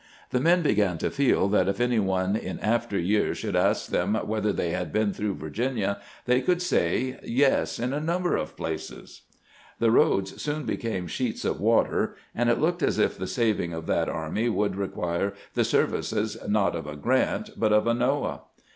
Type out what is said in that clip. The men began to feel that if any one in after years should ask them whether they had been through Virginia, they could say, " Tes ; in a num ber of places." The roads soon became sheets of water, and it looked as if the saving of that army would re quire the services, not of a Grrant, but of a Noah.